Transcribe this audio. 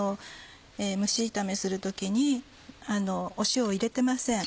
蒸し炒めする時に塩を入れてません。